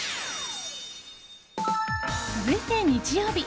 続いて、日曜日。